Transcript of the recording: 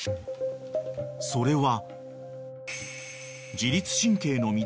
［それは］